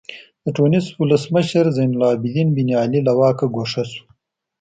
د ټونس ولسمشر زین العابدین بن علي له واکه ګوښه شو.